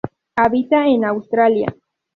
Habita en Australia,